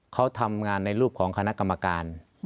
เขาทำงานในรูปของคณะกรรมการ